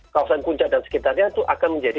kawasan puncak dan sekitarnya itu akan menjadi